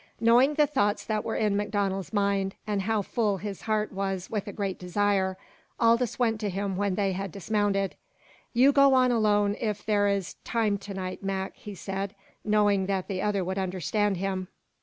Knowing the thoughts that were in MacDonald's mind, and how full his heart was with a great desire, Aldous went to him when they had dismounted. "You go on alone if there is time to night, Mac," he said, knowing that the other would understand him.